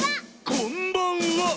「こんばんは！」